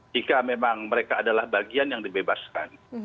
jika memang mereka adalah bagian yang dibebaskan